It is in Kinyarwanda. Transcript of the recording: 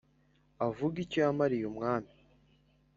Avuge icyo yamariye umwami